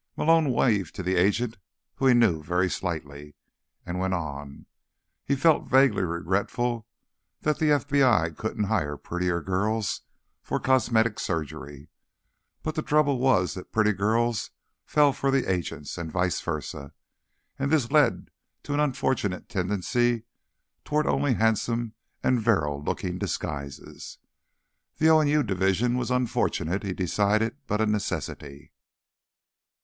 Malone waved to the agent, whom he knew very slightly, and went on. He felt vaguely regretful that the FBI couldn't hire prettier girls for Cosmetic Surgery, but the trouble was that pretty girls fell for the Agents, and vice versa, and this led to an unfortunate tendency toward only handsome and virile looking disguises. The O&U division was unfortunate, he decided, but a necessity.